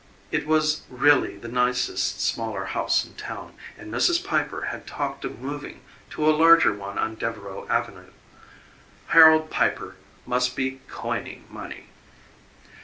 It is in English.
It was really the nicest smaller house in town, and Mrs. Piper had talked of moving to a larger one on Devereaux Avenue. Harold Piper must be COINING money.